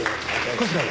こちらへ。